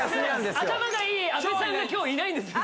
頭がいい阿部ちゃんが今日いないんですあ